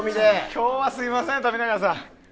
今日はすみません冨永さん。